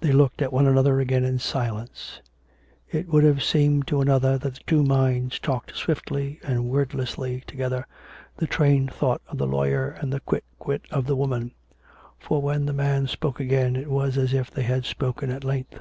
They looked at one another again in silence. It would have seemed to another that the two minds talked swiftly and wordlessly together, the trained thought of the lawyer and the quick wit of the woman; for when the man spoke again, it was as if they had spoken at length.